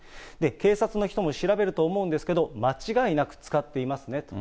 警察の人も調べると思うんですけれども、間違いなく使っています